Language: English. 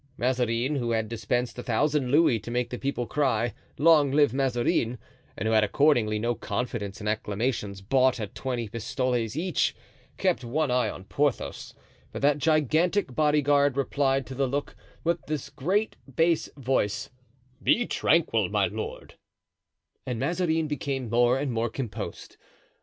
Mazarin, who had dispensed a thousand louis to make the people cry "Long live Mazarin," and who had accordingly no confidence in acclamations bought at twenty pistoles each, kept one eye on Porthos; but that gigantic body guard replied to the look with his great bass voice, "Be tranquil, my lord," and Mazarin became more and more composed.